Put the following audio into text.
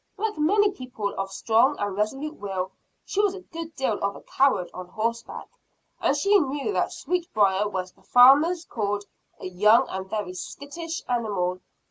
Like many people of strong and resolute will, she was a good deal of a coward on horseback; and she knew that Sweetbriar was what the farmers called "a young and very skittish animal."